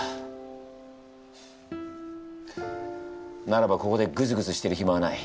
ならばここでグズグズしてるひまはない。